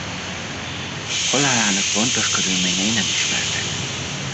Halálának pontos körülményei nem ismertek.